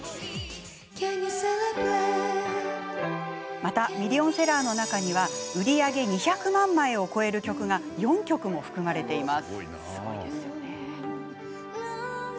またミリオンセラーの中には売り上げ２００万枚を超える曲が４曲も含まれています。